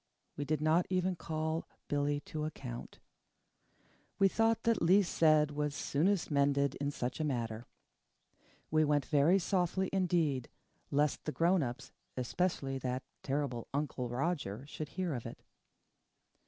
We did not even call Billy to account. We thought that least said was soonest mended in such a matter. We went very softly indeed, lest the grown ups, especially that terrible Uncle Roger, should hear of it.